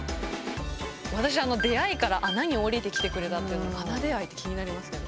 私「出会い」から「穴に下りてきてくれた」って穴出会いって気になりますね。